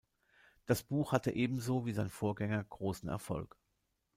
Das Buch hatte ebenso wie sein Vorgänger großen Erfolg.